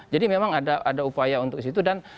jadi memang ada upaya untuk situ dan